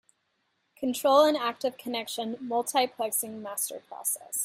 Control an active connection multiplexing master process.